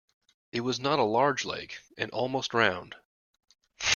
It was not a large lake, and almost round.